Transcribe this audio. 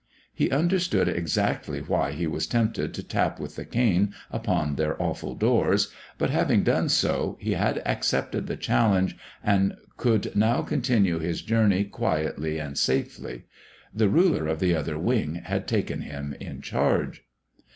He understood exactly why he was tempted to tap with the cane upon their awful doors, but, having done so, he had accepted the challenge and could now continue his journey quietly and safely. The Ruler of the Other Wing had taken him in charge.